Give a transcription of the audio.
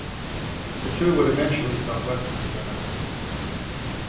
The two would eventually stop working together.